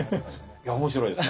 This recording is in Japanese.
いや面白いです。